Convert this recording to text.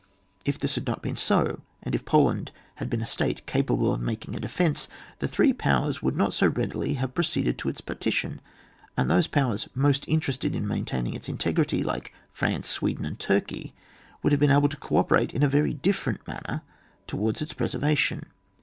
If this had not been BO, and if Poland had been a state capable of making a defence, the three powers would not so readily have pro ceeded to its partition, and those powers most interested in maintaining its in tegrity, like France, Sweden and Turkey, would have been able to co operate in a very different manner towards its pre servation.